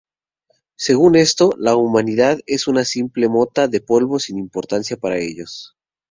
Según esto, la humanidad es una simple mota de polvo sin importancia para ellos.